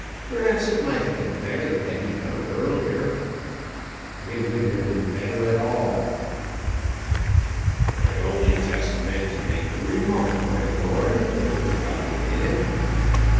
Perhaps it might have been better had he come earlier." "It wouldn't have been at all better." "I only just meant to make the remark, my lord; there was nothing in it."